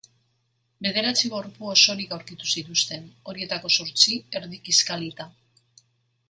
Bederatzi gorpu osorik aurkitu zituzten, horietako zortzi erdi kiskalita.